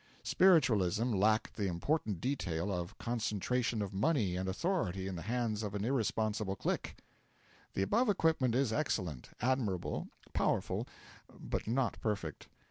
Spiritualism lacked the important detail of concentration of money and authority in the hands of an irresponsible clique. The above equipment is excellent, admirable, powerful, but not perfect.